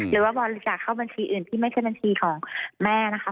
หรือว่าบริจาคเข้าบัญชีอื่นที่ไม่ใช่บัญชีของแม่นะคะ